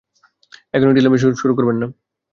এখনই ঢিলামি শুরু করবেন না।